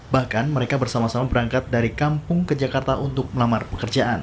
bahkan mereka bersama sama berangkat dari kampung ke jakarta untuk melamar pekerjaan